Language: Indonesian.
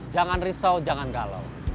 jangan risau jangan galau